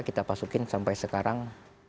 kita masukin sampai sekarang